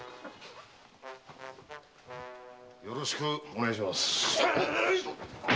よろしくお願いします。